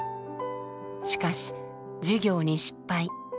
しかし事業に失敗。